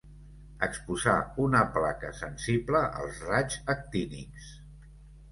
Exposar una placa sensible als raigs actínics.